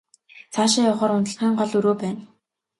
Цаашаа явахаар унтлагын гол өрөө байна.